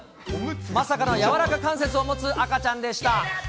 まさかの柔らか関節を持つ赤ちゃんでした。